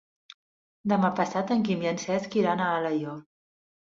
Demà passat en Quim i en Cesc iran a Alaior.